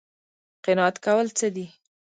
قناعت کول څه دي؟